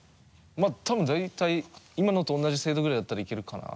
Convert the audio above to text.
まぁ多分だいたい今のと同じ精度ぐらいだったらいけるかな。